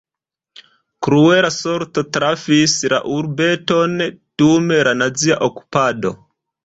Kruela sorto trafis la urbeton dum la nazia okupado.